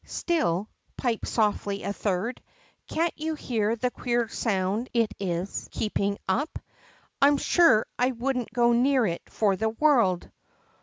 Still," piped softly a third, can^t you hear the queer sound it is keeping up ? Ihn sure I wouldn't go near it for the world."